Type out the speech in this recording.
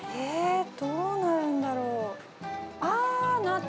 どうなるんだろう？